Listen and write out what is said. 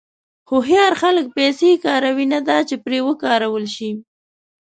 هوښیار خلک پیسې کاروي، نه دا چې پرې وکارول شي.